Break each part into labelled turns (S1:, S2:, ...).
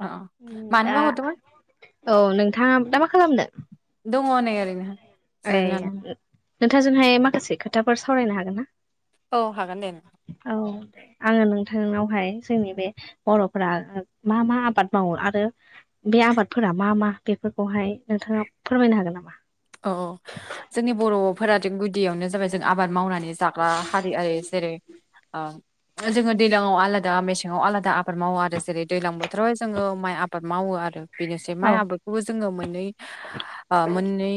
S1: अ
S2: दा
S1: मानोबा हरदोंमोन
S2: औ नोंथाङा दा मा खालामनो।
S1: दङ नै ओरैनो
S2: ए
S1: जिरायनानै
S2: नोंथांजोंहाय माखासे खोथाफोर सावरायनो हागोन ना।
S1: औ हागोन दे नों।
S2: औ। आङो नोंथांनावहाय जोंनि बे बर'फोरा मा मा आबाद मावो आरो। बे आबादफोरा मा मा बेफोरखौहाय नोंथाङा फोरमायनो हागोन नामा।
S1: औ जोंनि बर'फोरा जों गुदियावनो जाबाय। आबाद मावनानै ज्रा हारि आद जेरै ओ जों दैज्लांया दा मेसेंव आलादा आबाद मावो आरो जेरै दैज्लां बोथोरावहाय जोङो माइ आबाद मावो आरो। बेनोसै
S2: औ
S1: माइ आबादखौबो जोङो मोननै मोननै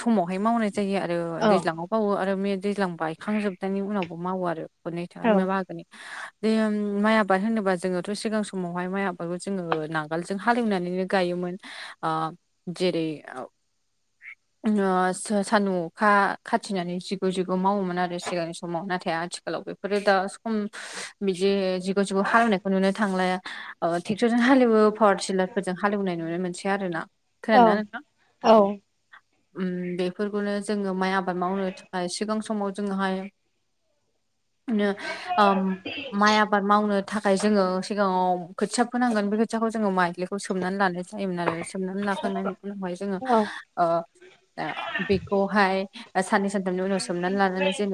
S1: समावहाय मावनाय जायो आरो
S2: औ
S1: दैज्लाङाव मावावो आरो बेे दैज्लां बायखांजोबनायनि उनावबो मावो आरो। नै
S2: औ
S1: बोन
S2: [inaudible]
S1: जो माइ आबाद होनोबा जोङोथ' सिगां समावहाय माइ आबादखौ जोङो नांगोलजों हालेवनानैनो गायोमोन आ जेरै ओ सान्दुं अखा खाथिनानै जिग जिग मावोमोन आरो सिगांनि समाव नाथाय आथिखालाव बे बे दा सम बिदि जिग' जिग' हालेवनायखौ नुनो थांलाया अ ट्रेक्ट'रजों हालेवो पावार टिलारफोरजों हालेवनाय नुनाय मोनसे आरोना
S2: औ
S1: खोनादों ना नोंथां? अ औ। उम बेफोरखौनो जोङो माइ आबाद मावनो थाखाय सिगां समाव जोङोहाय
S2: औ।
S1: आ माइ आबाद मावनो थाखाय जोङो सिगाङाव खोथिया फोनांगोन बे खोथियाखौ जोङो [inaudible] खौ सोमनानै लानाय जायोमोन आरो सोमनानै लाखांनायनि उनावहाय जोङो
S2: औ
S1: बेखौहाय साननै सानथामनि उनाव सोमनानै लानानै जेन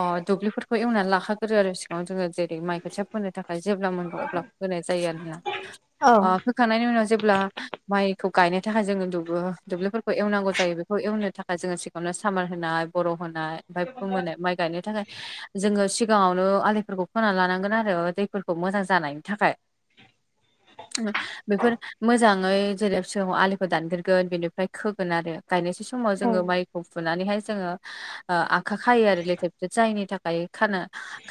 S1: अ दुब्लिफोरखौ एवनानै लाखाग्रोरो आरो सिगाङाव जोङो जे माइखौथि फोनो थाखाय जेब्ला मोनगौ अब्ला फाय जायो आरो नोना
S2: औ
S1: फो खांनायनि उनाव जेब्ला माइखौ गायनो थाखाय जोङो दु दुब्लिफोरखौ एवनांगौ जायो बेखौ एवनो थाखाय जोङो सिगाङावनो सामार होनाय बर' होनाय ओमफ्राय फोमोनाय माइ गायनो थाखाय जोङो सिगाङावनो आलिफोरखौ फोना लानांगोन आरो दैफोरखौ मोजां जानायनि थाखाय। बेफोर मोजां जेरै सिगाङाव आलिखौ दानग्रगोन बेनिफ्राय खोगोन आरो गायनायसै समाव जोङो माइ फुनानैहाय जोङो आ आखखा खायो आरो लेथेर फेथेर जायनि थाखाय खानो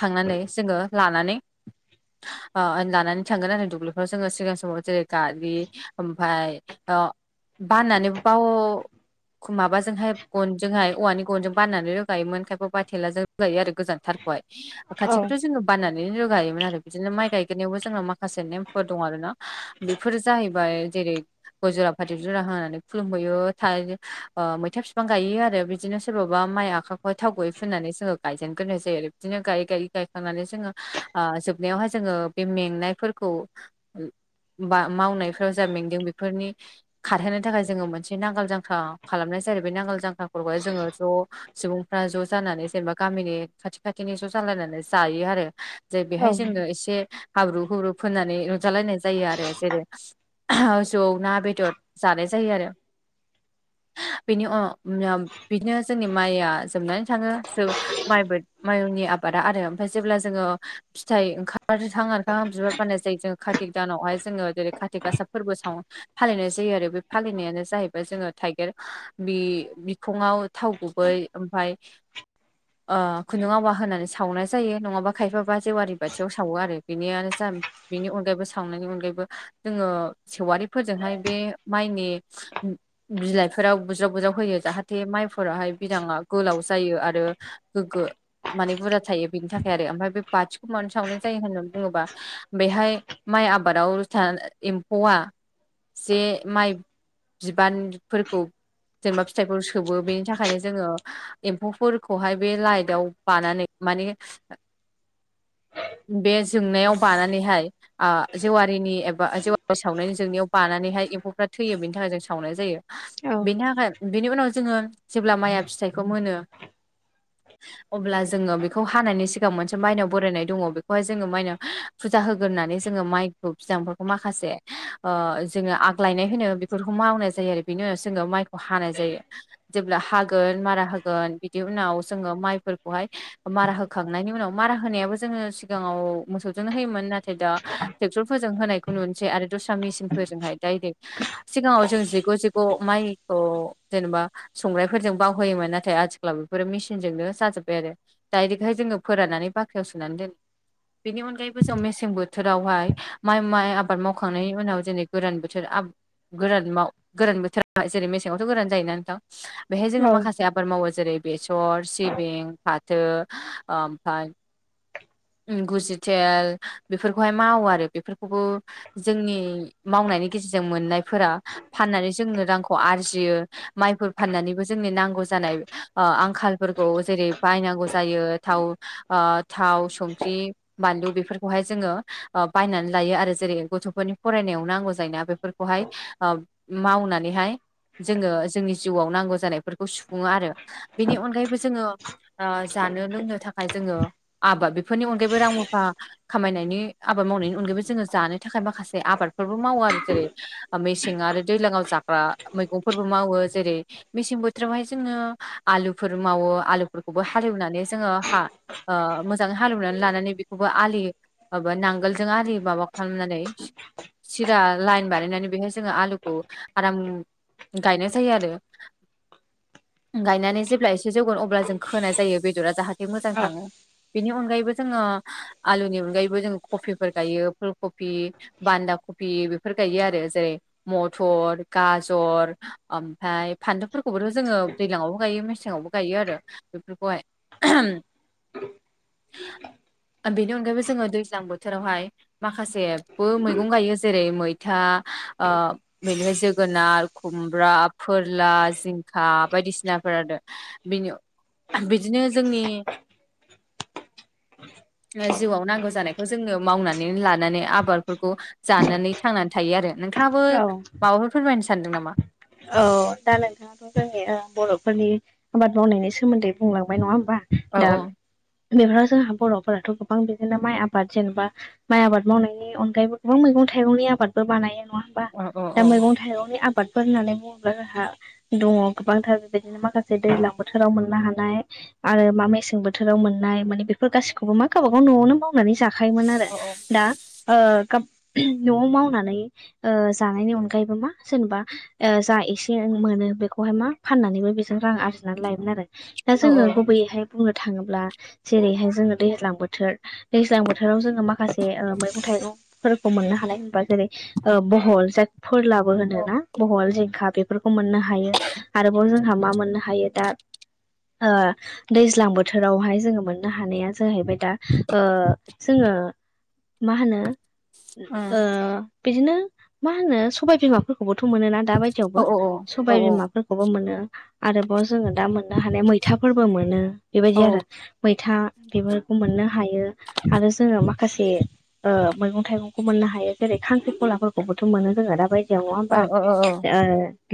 S1: खांनानै जोङो लानानै
S2: [unintelligible]
S1: ओ लानानै थांगोन आरो दुब्लिफ्राव जोङो सिगां समाव जेरै गारि ओमफ्राय अ बाननानै बाव माबाजोंहाय गनजोंहाय औवानि गनजों बाननानै रोगायोमोन खायफा बााथेलाजों रोगायो आरो गोजानथार खाथि
S2: औ
S1: खाथि जेन बाननानै रोगायोमोन आरो बिदिनो माइ गायग्रोनायावबो जोंङो माखासे नेमफोर दं आर ना बेफोर जाहैबाय जेरै गयजरा फाथै जरा होनानै खुलुमबोैयो थायो ओ मैथा बिफां गायो आरो बिदिनो सोरबबा माइ आखाइखौ थाव गयै फुननानै जोङो गायजेनग्रोनाय जायो आरो। बिदिनो गायै गायै गायखांनानै जोङो आ जोबनायावहाय जोङो बे मेंनायफोरखौ बा मावनायफ्राव जा मेंदों बेफोरनि खारहोनो थाखाय जोङो मोनसे नांगोल जांखखा खालामनाय जायो बे नांगोल जांख्राफोरखौाय जोङो ज' सुबुंफ्रा ज' जानानै जेनेबा गामिनि खाथि खाथिनि ज' जालायनानै जायो आरो। जे
S2: औ
S1: बेहाय जोङनो एसे हाब्रु हाब्रु फोननानै रुजालायनाय जायो आरो जेरै आह जौ ना बेदर जानाय जायो आरो। बिनि अ बिदिनो जोंनि माइया जोबनानै थाङो ज माइबो माइनि आबादा आरो ओमफ्राय जेब्ला जोङो फिथाइ ओंखारहां ओखां बिबार फाननाय जायो जोंङो खातिक दानावहाय जोङो जेरै काति गासा फोरबो सावो। फालिनाय जायो आरो बे फालिनायानो जाहैबाय जोङो थाइगेर बे बिखङाव थाव गुबै ओमफफ्राय
S2: [inaudible]
S1: ओ खुन्दुं आवा होनानै सावनाय जायो नङाबा खायफाबा जेवारि बाथियाव सावो आरो बेनियानो ज बेनि अनगायैबो सावनायनि अनगायैबो जोङो सेवारिफोरजोंहाय बे माइनि बिलाइफोराव बुज्राव बुज्राव होयो जाहाथे माइफोराहाय बिदाङा गोलाव जायो आरो गोग्गो माने बुरजा थायो बेनि थाखाय आरो ओमफ्राय बे बाथिखौ मानो सावनाय जायो होननानै बुङोब्ला? बेहाय माइ आबादाव एम्फौआ जे माइ बानफोरखौ जेनेबा फिथाइफोर सोबो बेनि थाखायनो जोङो एम्फौफोरखौहाय बे लाइटआव बानानै माने
S2: [unintelligible]
S1: बे जोंनायाव बानानैहाय आ जेवारिनि एबा जेवारि सावनायनि जोंनियाव बानानैहाय एम्फौफ्रा थैयो बेनि थाखाय जों सावनाय जायो बेनि थाखाय बेनि उनाव जोङो जेब्ला माइआ फिथाइखौ मोनो
S2: [inaudible]
S1: अब्ला जोङो बेखौ हानायनि सिगांआव मोनसे माइनाव बरायनाय दङ बेखौहाय जोङो माइनाव फुजा होग्रोननानै जोङो माइखौ बिदांफोरखौ माखासे ओ जोङो आग्लायनाय होनो बेफोर मावनाय जायो आरो बिनि उनाव जोङो माइखौ हानाय जायो। जेब्ला हागोन मारा होगोन बिदि उनाव जोङो माइफोरखौहाय मारा होखांनायनि उनाव मारा होनायाबो जोङो सिगाङाव मोसौजोंनो होयोमोन नाथाय दा ट्रेक्टरफोरजों होनाय नुनोसै आरो दस्रा मेसिनफोरजोंहाय डाइरेक्ट सिगाङाव जों जिग जिग माइखौ जेनेबा संग्रायफोरजों बावहोयोमोन नाथाय आथिखालाव बेफोरो मेसिनजोंनो जाजोब्बाय आरो। डाइरेक्हाय जोङो फोराननानै बाख्रियाव सोनानै दोनो। बेनि अनगायैबो जों मेसें बोथोरावहाय माइ माइ आबाद मावखांनायनि उनाव जेरै गोरान बोथोर गोरान माव गोरान बोथोरा जेरै मेसेङावथ' गोरान जायोना नोंथां बेहाय जोङो माखासे आब फोर मावो जेरै बेसर सिबिं फाथो ओमफ्राय गुजिटेल बेफोरखौहाय मावो आरो बेफोरखौबो जोंनि मावनायनि गेजेरजों मोननायफोरा फाननानै जोंनो रांखौ आरजियो माइफोर फाननानैबो जोंनि नांगौ जानाय ओ आंखालफोरखौ जेरै बायनांगौ जायो थाव ओ थाव संख्रि बानलु बेफोरखौहाय जोङो ओ बायनानै लायो आरो जेरै गथ'फोरनि फरायनायाव नांगौ जायोना बेफोर खौहाय ओ मावनानैहाय जोङो जोंनि जिउआव नांगौ जानायफोरखौ सुफुङो आरो। बेनि अनगायैबो जोङो ओ जानो लोंनो थाखाय जोङो आबाद बे बेफोरनि अनगायैबो रां रुफा खामायनायनि आबाद मावनायनि अनगायैबो जोङो जानो थाखाय माखासे आबादफोरबो मावो आरो जेरै मेसें आरो दैलाङाव जाग्रा मैगंफोरबो मावो जेरै मेसें बोथोरावहाय जोङो आलुफोर मावो आलुफोरखौबो हालेवनानै जोङो हा ओ मोजां हालौनानै लानानै बेखौबो आलि माबा नांगोलजों आलि माबा खालामनानै सिरा लाइन बानायनानै बेहाय जोङो आलुखौ आराम गायनाय जायो आरो। [inaudible] गायनानै जेब्ला एसे जौगोन अब्ला जों खोनाय जायो बेदरा जाहाथे मोजां
S2: औ
S1: थाङो। बेनि अन अनगायैबो जोङो आलुनि अनगायैबो जोङो कबिफोर गायो फुल कबि बान्दा कफि बेफोर गायो आरो जेरै मथर गाजर ओमफ्राय फानलुफोरखौबोथ' जोङो दैज्लाङावबो गायो मेसेङावबो गायो आरो बेफोरखौहाय। ओहोम
S2: उ [unintelligible]
S1: बेनि अनगायैबो जोङो दैज्लां बोथोरावहाय माखासेबो मैगं गायो जेरै मैथा ओ बेनिफ्राय जोगोनार खुमब्रा फोरला जिंखा बायदिसिनाफोर आरो। बिनो बिदिनो जोंनि जिउआव नांगौ जानायखौ जोङो मावनानै लानानै आबादफोरखौ जानानै थांनानै थायो आरो। नोंथाङाबो
S2: औ
S1: माबाफोर फोरमायनो सानदों नामा?
S2: औ। दा नोंथाङा थ' जोंनि बर'फोरनि आबाद मावनायनि सोमोन्दै बुंलांबाय नङा होमबा?
S1: औ
S2: दा बेफोराव जोंहा बर'फोराथ' गोबां बिदिनो माइ आबाद जेनेबा माइ आबाद मावनायनि अनगायैबो गोबां मैगं थाइगंनि आबादबो बानायो नङा? बा
S1: औ औ
S2: दा
S1: औ
S2: मैगं थाइगंनि आबादफोर होननानै बुङोब्ला जाहा दङ गोबांथार बेबायदिनो माखासे दैज्लां बोथोराव मोननो हानाय आरो मा मेसें बोथोराव मोननाय माने बेफोर गासिखौबो मा गावबागाव न'आवनो माव नानै जाखायोमोन आरो
S1: औ
S2: दा ओ खोब न'आव मावनानै ओ जानायनि अनगायैबो मा जेनेबा ओ जा एसे मोनो बेखौहाय मा फाननानैबो बेजों रां आरजिनानै लायोमोन आरो दा
S1: औ
S2: जोङो गुबैयैहाय बुंनो थाङोब्ला जेरैहाय जोङो दैज्लां बोथोर दैज्लां बोथोराव जोङो माखासे ओ मैगं थाइगं फोरखौ मोननो हानाय बा जेरै ओ बहल जाय फोरलाबो होनोना जिंखा बेफोरखौ मोननो हायो आरोबाव जोंहा मा मोननो हायो दा ओ दैज्लां बोथोरावहाय जोङो मोननो हानाया जाहैबाय दा ओ जोङो मा होनो ओ
S1: उम
S2: बिदिनो मा होनो सबाय बिमाफोरखौबोथ' मोनोना? दा
S1: औ
S2: बायदियावबो
S1: औ औ औ
S2: सबाय बिमाफोरखौबो मोनो आरोबाव जोङो दा मोन दा हानाय हानाय मैथाफोरबो मोनो
S1: औ
S2: बेबायदि आरो। मैथा बेफोरखौ मोननो हायो आरो जोङो माखासे ओ मैगं थाइगंखौ मोननो हायो जेरै खांख्रिखलाफोरखौबोथ' मोनो जोङो दा बायदियाव नङा होमबा
S1: ओ ओ ओ
S2: ओ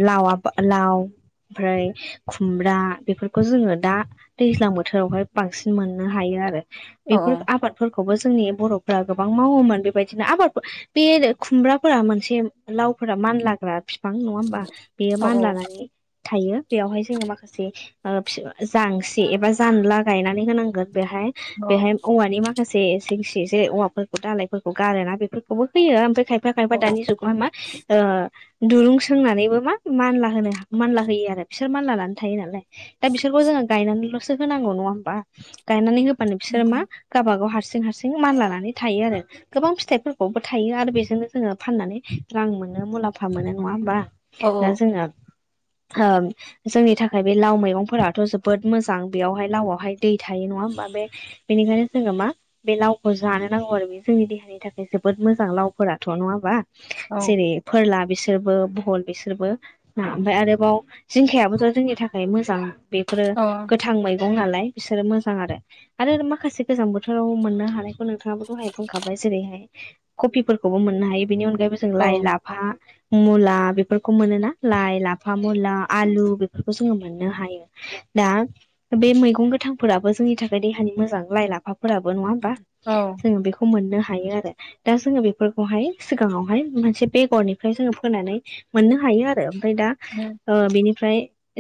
S2: लावाब लाव ओमफ्राय खुमब्रा बेफोरखौ जोङो दा दैज्लां बोथोरावहाय बांसिन मोननो हायो आरो
S1: औ
S2: बेफोर आबाद फोरखौबो जोंनि बर'फ्रा गोबां मावोमोन बेबायदिनो आबाद बे खुमब्राफोरा मोनसे लावफोरा मान ला फोरा फिफां नङा होमबा बेयो मान
S1: औ
S2: लानानै थायो बेयावहाय जोङो माखासे ओ फि जांसि एबा जानला गायनानै होनांगोन बेहाय
S1: औ
S2: बेहाय औवानि माखासे जिंसि जेरै औवाफोरखौ दालायफोरखौ गारोना बेफोरखौ खौबो होयो ओमफ्राय खायफा खायफा दानि जुगावहाय मा ओ दुरुं सोंनानैबो मा मानला होनो मानला होयो आरो बिसोर मानला लानो थायो नालाय दा बिसोरखौ जोङो गायनानैल'सो होनांगौ नङा होमबा गायनानै होबानो बिसोरो मा गावबागाव हारसिं हारसिं मान लानानै थायो आरो गोबां फिथाइफोरखौबो थायो आरो बेजोंनो जोङो फाननानै रां मोनो मुलाम्फा फा मोनो नङा होमबा दा जोङो ओ जोंनि थाखाय बे लाव मैगंफोराथ' जोबोद मोजां बेवहाय लावआवहाय दै थायो नङा होमबा बे बेनिखायनो जोङो मा बे लावखौ जानो नांगौ आरो बे जोंनि देहानि थाखाय जोबोद मोजां लावफोराथ' नङाबा जेरै फोरला बिसोरबो बहल बिसोरबो ना ओमफाय आरोबाव जिंखायाबोथ' जोंनि थाखाय मोजां बेफोरो गोथां मैगं नालाय बिसोरो मोजां आरो आरो माखासे गोजां बोथोराव मोननो हानायखौ नोंथाङाबो दहाय बुंखाबाय जेरैहाय कफिफोरखौबो मोननो हायो बेनि अनगायैबो जों लाइ लाफा मुला बेफोरखौ मोनोना लाइ लाफा मुला आलु बेफोरखौ जोङो मोननो हायो। दा बे मैगं गोथांफोराबो जोंनि थाखाय देहानि मोजां। लाइ लाफाफोराबो नङा होमबा?
S1: औ
S2: जोङो बेखौ मोननो हायो आरो दा जोङो बेफोरखौहाय सिगाङावहाय मोनसे बेगरनिफ्राय जोङो फो फोनानै मोननो हायो आरो ओमफ्राय दा
S1: उम
S2: ओ बिनिफ्राय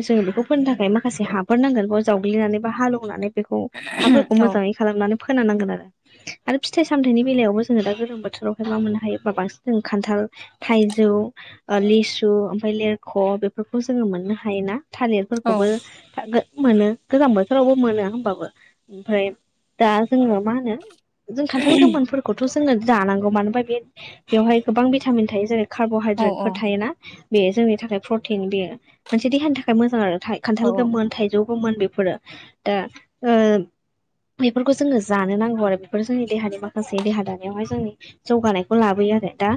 S2: जोङो बेखौ फोननो थाखाय माखासे हाफोर नांगोन बेयाव जावग्लिनानै बा हालौवनानै बेखौ हाफोरखौ मोजाङै खालामनानै फोना नांगोन आरो आरो फिथाइ सामथायाइनि बेलायावबो जोङो दा गोलोम बोथोरावहाय मा मोननो हायोबा बांसिन जों खान्थाल थाइजौ ओ लिसु ओमफ्राय लिरख' बेफोरखौ जोङो मोननो हायोना थालिरफोरखौबो मोनो गोजां बोथोरावबो मोनो होमबाबो ओमफ्राय दा जोङो मा होनो जों खान्थाल गोमोनफोरखौथ' जोङो जानांगौ मानो होनबा बे बेवहाय गोबां भिटामिन थायो जेरै कार्ब'हाय फोर थायोना बेयो जोंनि थाखाय प्रटिन बेयो मोनसे देहानि थाखाय मोजां आरो थायो। खान्थाल गोमोन थाइजौ गोमोन बेफोरो दा ओ बेफोरखौ जोङो जानो नांगौ आरो बेफोर जोंनि देहानि माखासे देहा दानायावहाय जोंनि जौगानायखौ लाबोयो आरो दा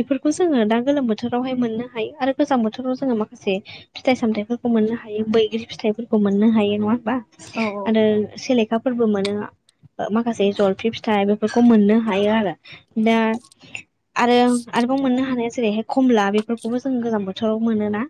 S2: बेफोरखौ जोङो दा गोलोम बो बोथोरावहाय मोननो हायो आरो गोजां बोथोराव जोङो माखासे फिथाइ सामथाइफोरखौ मोननो हायो बैग्रि फिथाइफोरखौ मोननो हायो नङा होमबा? आरो सेलेखाफोरबो मोनो माखासे जलफि फिथाइ बे बेखौ मोननो हायो आरो दा आरो आरोबाव मोननो हानाया जेरैहाय खमला बेफोरखौबो जों गोजां बोथोराव मोनोना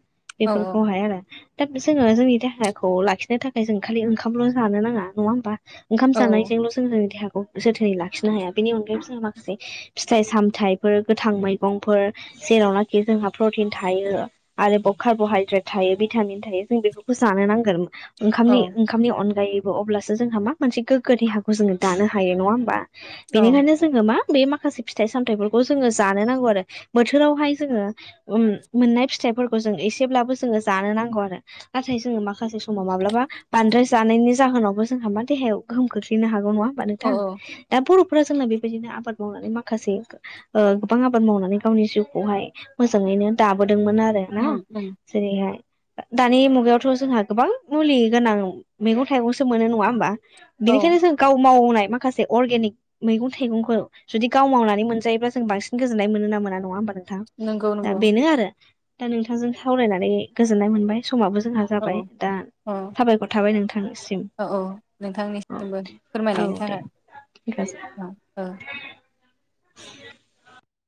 S2: बेफोरखौहाय आरो। दा जोङो जोंनि देहाखौ लाखिनो थाखाय जों खालि ओंखामल' जानो नाङा नङा होमबा ओंखाम जानायजोंल' जोङो देहाखौ जोथोनै लाखिनो हाया बेनि अनगायैबो जोंङो माखासे फिथाइ सामथायाइफोर गोथां मैगंफोर जेरावनाखि जोंहा प्रटिन थायो। आरोबाव कार्ब'हाइद्रेट थायो भिटामिन थायो जों बेफोरखौ जानो नांगोन। ओंखामनि ओंखामनि अनगायैबो अब्लासो जोंहा मा मोनसे गोग्गो देहाखौ जोङो दानो हायो नङा होमबा। बेनिखायनो जोङो मा बे माखासे फिथाइ सामथाइफोरखौ जोङो जानो नांगौ आरो। बोथोरावहाय जोङो ओम मोननाय फिथाइफोरखौ जों एसेब्लाबो जोङो जानो नांगौ आरो। नाथाय जोङो माखासे समाव माब्लाबा बांद्राय जानायनि जाहोनावबो जोंहा मा देहायाव गोहोम खोख्लैनो हागौ नङा होमबा नोथां
S1: औ
S2: दा बर'फोरा जोंना बेबायदिनो आबाद मावनानै माखासे ओ गोबां आबाद मावनानै गावनि जिउखौहाय मोजाङैनो दाबोदोंमोन आरो ना
S1: उम उम
S2: जेरैहाय दानि मुगायावथ' जोंहा गोबां मुलि गोनां मैगं थाइगंसो मोनो नङा होमबा?
S1: औ
S2: बिनिखायनो जों गाव मावनाय माखासे अर्गेनिक मैगं थाइगंखौ जुदि गाव मावनानै मोनजायोब्लाा जों बांसिन गोजोननाय मोनो ना मोना नङा होमबा नोंथां
S1: नंगौ
S2: दा
S1: नंगौ
S2: बेनो आरो। दा नोंथांजों सावरायनानै गोजोननाय मोनबाय समाबो जोंहा
S1: औ
S2: जाबाय दा
S1: औ
S2: साबायखर थाबाय नोंथांनिसिम
S1: औ औ
S2: औ
S1: नोंथांनिसिमबो
S2: औ
S1: फोरमायनायनि
S2: दे। [unintelligible]
S1: ओ।
S2: [inaudible]